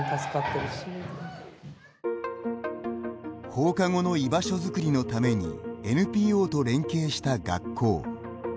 放課後の居場所づくりのためにＮＰＯと連携した学校。